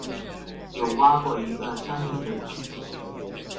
有挖過一個相近的坑